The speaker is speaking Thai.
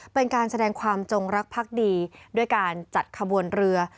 เป็นการแสดงความจงรักพักดีด้วยการจัดขบวนเรือ